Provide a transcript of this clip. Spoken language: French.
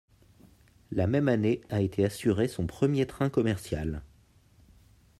La même année a été assuré son premier train commercial.